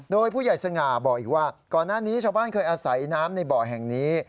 โดยผู้ใหญ่สง่าบอกอีกว่าก่อนหน้านี้ชาวบ้านเคยอาศัยน้ำในบ่อแห่งนี้